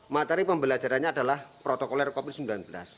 materi pembelajarannya adalah protokoler covid sembilan belas